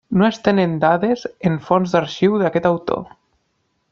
No es tenen dades en fonts d'arxiu d'aquest autor.